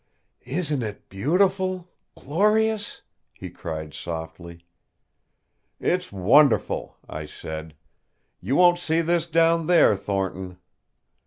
"Isn't it beautiful glorious?" he cried softly. "It's wonderful!" I said. "You won't see this down there, Thornton!"